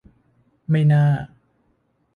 ไม่น่า